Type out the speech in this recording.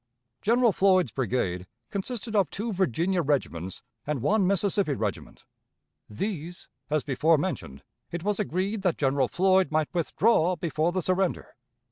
General Floyd's brigade consisted of two Virginia regiments and one Mississippi regiment; these, as before mentioned, it was agreed that General Floyd might withdraw before the surrender.